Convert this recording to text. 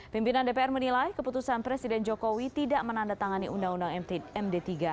pimpinan dpr menilai keputusan presiden jokowi tidak menandatangani undang undang md tiga